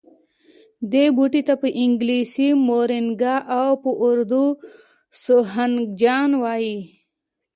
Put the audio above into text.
دې بوټي ته په انګلیسي مورینګا او په اردو سوهنجنا وايي